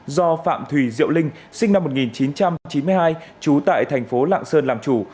do phạm thùy diệu linh sinh năm một nghìn chín trăm chín mươi hai trú tại thành phố lạng sơn làm chủ